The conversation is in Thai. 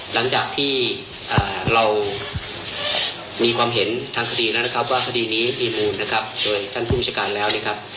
หลังจากที่เรามีความเห็นทางคดีแล้วนะครับว่าคดีนี้มีมูลนะครับโดยท่านภูมิชาการแล้วนะครับ